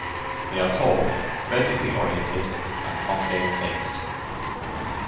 They are tall, vertically oriented, and concave-faced.